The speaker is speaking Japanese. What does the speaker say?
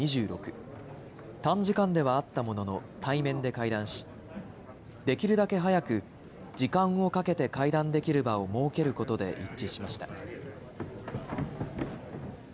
短時間ではあったものの対面で会談し、できるだけ早く時間をかけて会談できる場を設けることで一致しました。